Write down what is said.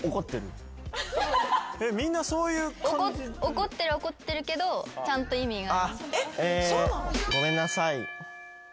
怒ってるは怒ってるけどちゃんと意味が。